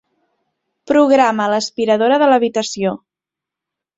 Programa l'aspiradora de l'habitació.